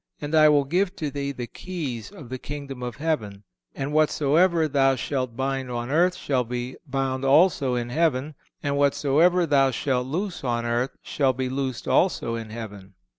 And I will give to thee the keys of the Kingdom of Heaven, and whatsoever thou shalt bind on earth shall be bound also in heaven, and whatsoever thou shalt loose on earth shall be loosed also in heaven."